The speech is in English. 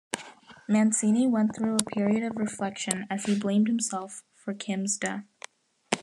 Mancini went through a period of reflection, as he blamed himself for Kim's death.